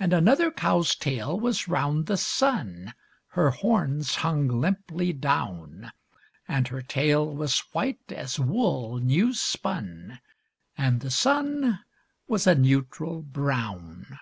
And another cow's tail was round the sun (Her horns hung limply down); And her tail was white as wool new spun, And the sun was a neutral brown.